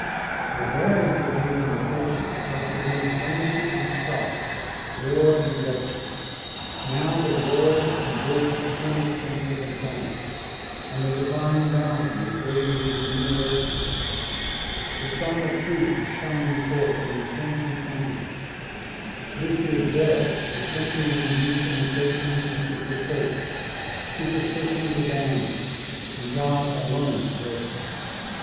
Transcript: The variance of these imitations has produced enmity and strife, war and blood shed. Now the glorious and brilliant twentieth century has dawned and the divine bounty is radiating universally. The Sun of Truth 148 THE PROMULGATION OF UNIVERSAL PEACE is shining forth in intense enkindlement. This is verily the century when these imitations must be forsaken, superstitions abandoned and God alone worshiped.